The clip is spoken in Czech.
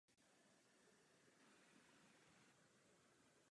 Pane předsedající, mnohokrát děkuji panu Gahlerovi za zprávu.